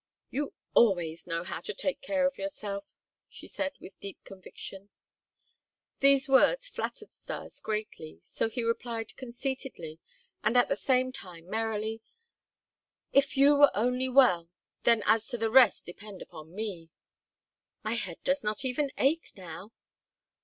"You always know how to take care of yourself," she said with deep conviction. These words flattered Stas greatly; so he replied conceitedly and at the same time merrily: "If you were only well, then as to the rest depend upon me." "My head does not even ache now."